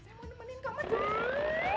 saya mau nemenin kak mas johnny